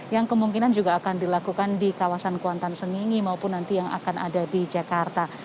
yang kemungkinan juga akan dilakukan di kawasan kuantan sengingi maupun nanti yang akan ada di jakarta